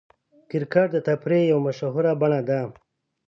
کرکټ د تفریح یوه مشهوره بڼه ده.